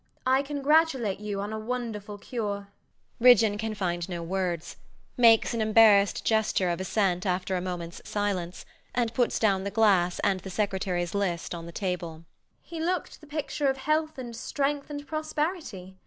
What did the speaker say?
I congratulate you on a wonderful cure. RIDGEON [can find no words; makes an embarrassed gesture of assent after a moment's silence, and puts down the glass and the Secretary's list on the table]. JENNIFER. He looked the picture of health and strength and prosperity.